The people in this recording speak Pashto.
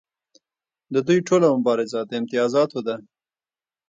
د دوی ټوله مبارزه د امتیازاتو ده.